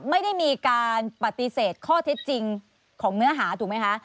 ไม่ได้มีการปฏิเสธข้อเท็จจริงของเนื้อหาถูกไหมคะ